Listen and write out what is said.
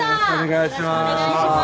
よろしくお願いします